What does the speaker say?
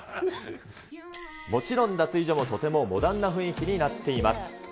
もちろん脱衣所もとてもモダンな雰囲気になっています。